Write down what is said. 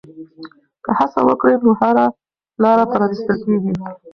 که هڅه وکړې نو هره لاره پرانیستل کېږي.